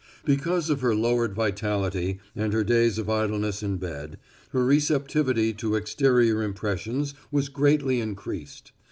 Because of her lowered vitality and her days of idleness in bed, her receptivity to exterior impressions was greatly increased.